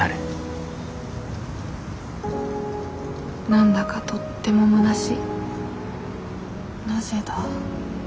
何だかとってもむなしいなぜだ？